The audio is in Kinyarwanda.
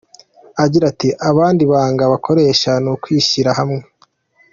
Agira ati “Abandi ibanga bakoresha ni ukwishyira hamwe.